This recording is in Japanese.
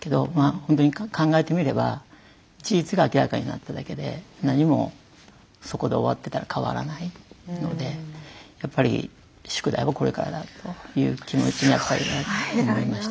ほんとに考えてみれば事実が明らかになっただけで何もそこで終わってたら変わらないのでやっぱり宿題はこれからだという気持ちにやっぱり思いました。